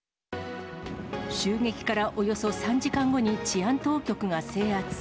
襲撃からおよそ３時間後に治安当局が制圧。